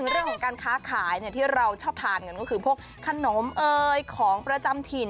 เรื่องของการค้าขายที่เราชอบทานกันก็คือพวกขนมเอ่ยของประจำถิ่น